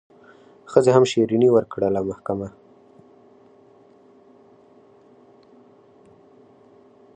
ښځي هم شیریني ورکړله محکمه